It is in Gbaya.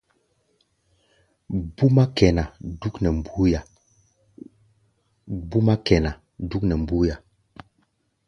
Búmá kɛná dúk nɛ mbúía.